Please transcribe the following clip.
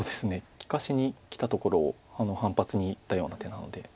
利かしにきたところを反発にいったような手なので。